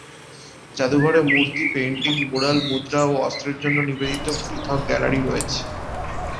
জাদুঘরে মূর্তি, painting, mural, মুদ্রা এবং অস্ত্রের জন্য নিবেদিত পৃথক গ্যালারি রয়েছে।